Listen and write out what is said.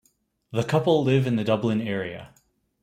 The couple live in the Dublin area.